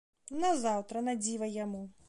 Назаўтра на дзіва яму!